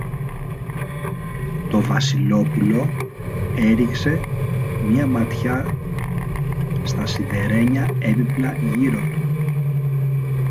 Το Βασιλόπουλο έριξε μια ματιά στα σιδερένια έπιπλα γύρω του.